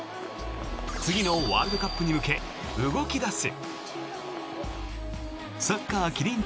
次のワールドカップに向け動き出す。